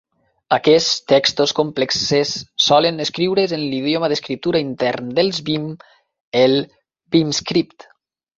Aquests textos complexes solen escriure's en l'idioma d'escriptura intern dels Vim, el vimscript.